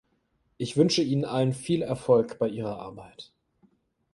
Ich wünsche ihnen allen viel Erfolg bei ihrer Arbeit.